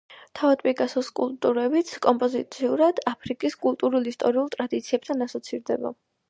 თავად პიკასოს სკულპტურებიც კომპოზიციურად აფრიკის კულტურულ-ისტორიულ ტრადიციებთან ასოცირდება.